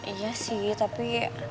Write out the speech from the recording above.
iya sih tapi